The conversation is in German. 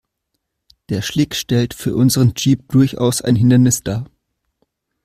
Der Schlick stellt für unseren Jeep durchaus ein Hindernis dar.